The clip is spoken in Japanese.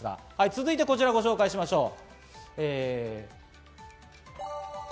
続いて、こちらをご紹介しましょう。